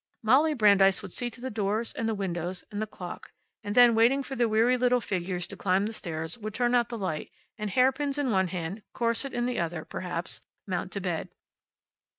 Molly Brandeis would see to the doors, and the windows, and the clock, and then, waiting for the weary little figures to climb the stairs, would turn out the light, and, hairpins in one hand, corset in the other, perhaps, mount to bed.